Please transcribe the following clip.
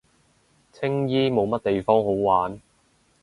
青衣冇乜地方好玩